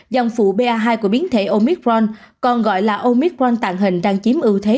dòng phụ ba hai của biến thể omicron còn gọi là omicron tạo hình đang chiếm ưu thế